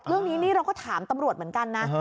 เรื่องนี้นี่เราก็ถามตำรวจเหมือนกันนะ